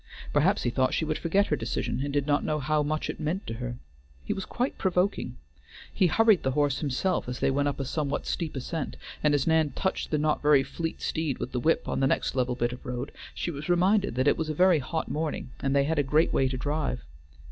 Perhaps he thought she would forget her decision, and did not know how much it meant to her. He was quite provoking. He hurried the horse himself as they went up a somewhat steep ascent, and as Nan touched the not very fleet steed with the whip on the next level bit of road, she was reminded that it was a very hot morning and that they had a great way to drive.